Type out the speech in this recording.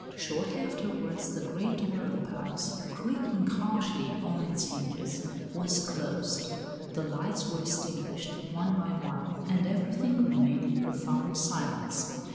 Shortly afterwards the great door of the palace, creaking harshly on its hinges, was closed; the lights were extinguished one by one, and everything remained in profound silence.